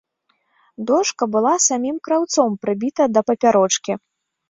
Дошка была самім краўцом прыбіта да папярочкі.